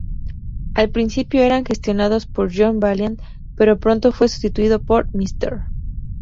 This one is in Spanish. Al principio, eran gestionados por Johnny Valiant, pero pronto fue sustituido por Mr.